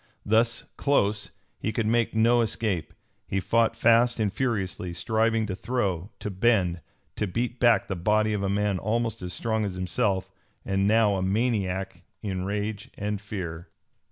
Thus close, he could make no escape. He fought fast and furiously, striving to throw, to bend, to beat back the body of a man almost as strong as himself, and now a maniac in rage and fear.